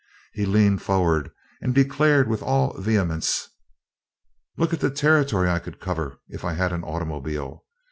He leaned forward and declared with all vehemence: "Look at the territory I could cover, if I had an automobile!